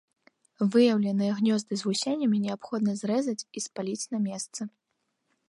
Выяўленыя гнёзды з вусенямі неабходна зрэзаць і спаліць на месцы.